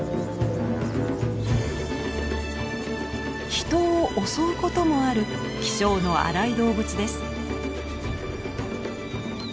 人を襲うこともある気性の荒い動物です。